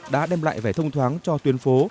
đã đem lại vẻ thông thoáng cho tuyến phố